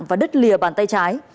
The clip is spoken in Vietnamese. và đứt lìa bàn tay trái